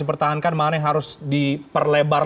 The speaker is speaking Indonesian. dipertahankan mana yang harus diperlebar